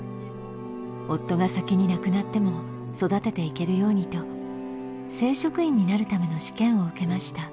夫が先に亡くなっても育てていけるようにと正職員になるための試験を受けました。